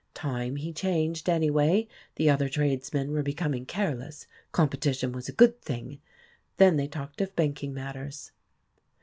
Time he changed, anyway; the other tradesmen were becoming careless, com petition was a good thing ! Then they talked of banking matters.